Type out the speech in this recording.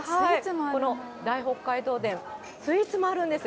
この大北海道展、スイーツもあるんです。